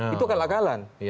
itu kan lakalan